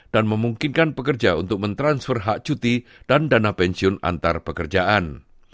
dan memungkinkan pekerja untuk mentransfer hak cuti dan dana pensiun antar pekerjaan